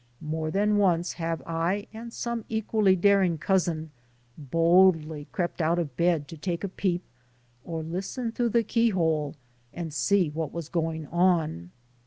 More than once have I and some equally daring cousin boldly crept out of bed to take a peep or to listen through the keyhole and see what was going on.